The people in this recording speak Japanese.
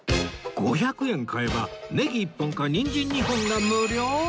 ５００円買えばネギ１本かニンジン２本が無料！？